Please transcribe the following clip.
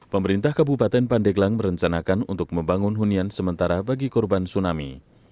pemerintah kabupaten pandeglang merencanakan untuk membangun hunian sementara bagi korban tsunami